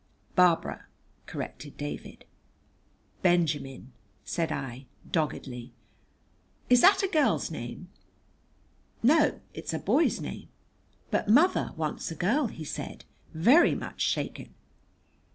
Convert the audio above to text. "Barbara," corrected David. "Benjamin," said I doggedly. "Is that a girl's name?" "No, it's a boy's name." "But mother wants a girl," he said, very much shaken.